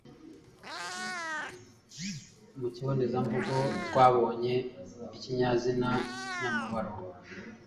Mu kibonezamvugo twabonye ikinyazina nyamubaro